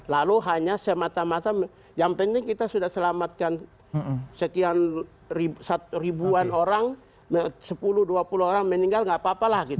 lalu hanya semata mata yang penting kita sudah selamatkan sekian ribuan orang sepuluh dua puluh orang meninggal gak apa apa lah